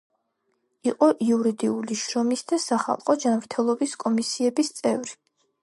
იყო იურდიული, შრომის და სახალხო ჯანმრთელობის კომისიების წევრი.